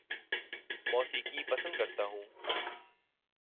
موسیقی پسند کرتا ہوں